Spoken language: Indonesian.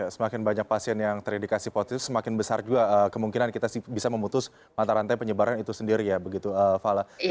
semakin banyak pasien yang terindikasi positif semakin besar juga kemungkinan kita bisa memutus mata rantai penyebaran itu sendiri ya begitu fala